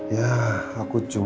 ya aku juga